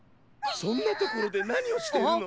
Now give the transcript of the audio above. そんなところでなにをしてるの！